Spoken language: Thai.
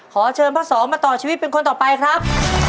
ขอเชิญพระสองมาต่อชีวิตเป็นคนต่อไปครับ